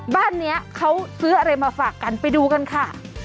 บ้านนี้เขาซื้ออะไรมาฝากกันไปดูกันค่ะ